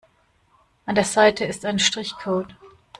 An der Seite ist ein Strichcode.